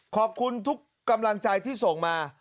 ขอบคุณทุกกำลังใจที่ส่งมา